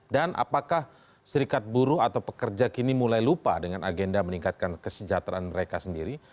dan apakah serikat buruh atau pekerja kini mulai lupa dengan agenda meningkatkan kesejahteraan mereka sendiri